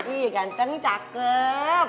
iya ganteng cakep